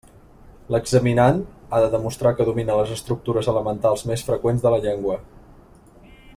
L'examinand ha de demostrar que domina les estructures elementals més freqüents de la llengua.